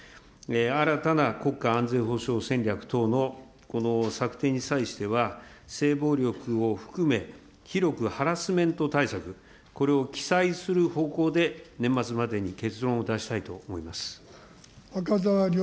新たな国家安全保障戦略等の策定に際しては、性暴力を含め、広くハラスメント対策、これを記載する方向で年末までに結論を出したいと思います。